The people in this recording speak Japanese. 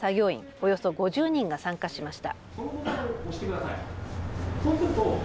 およそ５０人が参加しました。